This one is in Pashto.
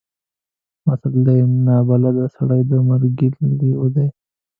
متل دی: نابلده سړی د مرکې لېوه دی.